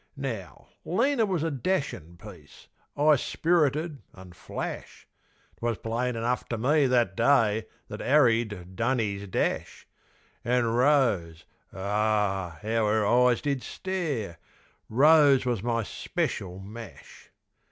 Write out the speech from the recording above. Now, Lena was a dashin' piece, 'Igh spirited an' flash. 'Twas plain enough to me that day That 'Arry'd done 'is dash. An' Rose (Ah! how 'er eyes did stare) Rose was my speshul mash.